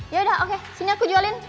yaudah oke sini aku jualin